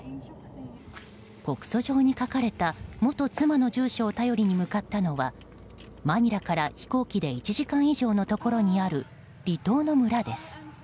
告訴状に書かれた元妻の住所を頼りに向かったのはマニラから飛行機で１時間以上のところにある離島の村です。